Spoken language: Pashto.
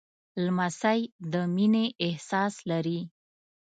لمسی د مینې احساس لري.